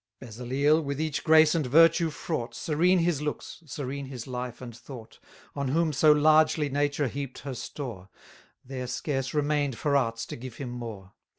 Bezaliel, with each grace and virtue fraught, Serene his looks, serene his life and thought; On whom so largely nature heap'd her store, There scarce remain'd for arts to give him more!